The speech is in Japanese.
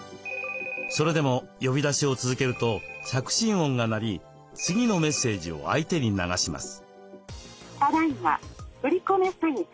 それでも呼び出しを続けると着信音が鳴り次のメッセージを相手に流します。